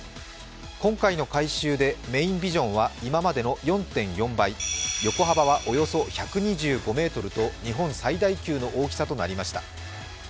今回の改修でメインビジョンは今までの４．４倍、横幅はおよそ１２５ｍと日本最大級の大きさとなりました。